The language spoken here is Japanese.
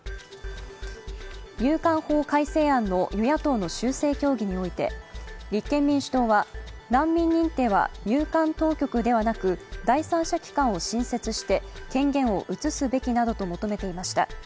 入管法改正案の与野党の修正協議において立憲民主党は難民認定は入管当局ではなく第三者機関を新設して権限を移すべきなどと求めていました。